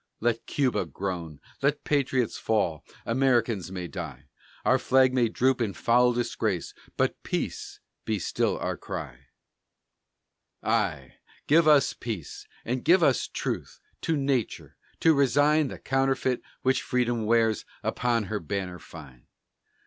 Let Cuba groan, let patriots fall; Americans may die; Our flag may droop in foul disgrace, But "Peace!" be still our cry. Ay, give us peace! And give us truth To nature, to resign The counterfeit which Freedom wears Upon her banner fine.